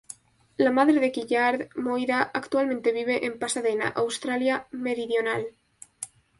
La madre de Gillard, Moira, actualmente vive en Pasadena, Australia Meridional.